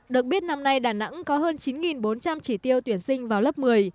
được biết năm nay đà nẵng có hơn chín bốn trăm linh chỉ tiêu tuyển sinh vào lớp một mươi